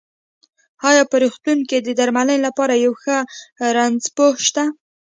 ايا په روغتون کې د درمنلې لپاره يو ښۀ رنځپوۀ شته؟